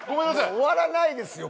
もう終わらないですよ。